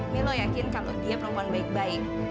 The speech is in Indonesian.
milo yakin kalau dia perempuan baik baik